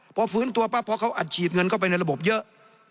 พอฟื้นตัวปั๊บเพราะเขาอัดฉีดเงินเข้าไปในระบบเยอะ